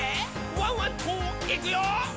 ワンワンといくよ」